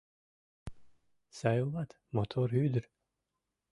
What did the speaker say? — Сай улат, мотор ӱдыр!